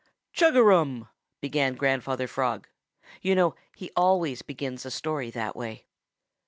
"Chug a rum!" began Grandfather Frog. You know he always begins a story that way.